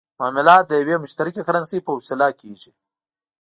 معاملات د یوې مشترکې کرنسۍ په وسیله کېږي.